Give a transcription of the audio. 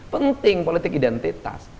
penting politik identitas